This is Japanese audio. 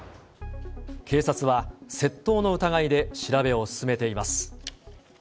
警察は、窃盗の疑いで調べを進めています。